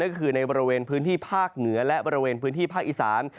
ก็คือในบริเวณพื้นที่ภาคเหนือและบริเวณพื้นที่ภาคอีสาน